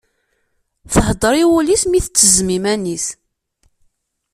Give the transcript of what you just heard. Thedder i wul-is mi tettezzem iman-is.